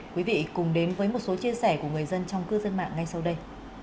quý vị cùng đến với một số chia sẻ của người dân trong cư dân mạng ngay sau đây